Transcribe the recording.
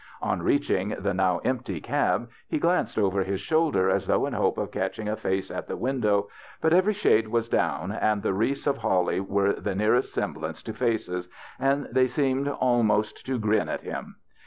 On reaching "the now empty y 20 THE BACHELOR'S CHRISTMAS cab lie glanced over liis shoulder as tlioiigli in hope of catchmg a face at the window, but every shade was down, and the wreaths of holly were the nearest semblance to faces, and they seemed almost to grin at him.